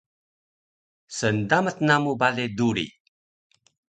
Sndamac namu bale duri